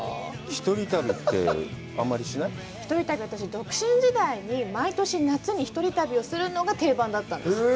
一人旅は独身時代に毎年夏に一人旅をするのが定番だったんです。